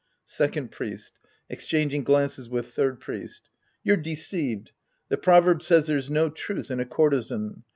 Second Priest {exchanging glances with Third Priest). You're deceived ! The proverb says there's no truth in a courtesan.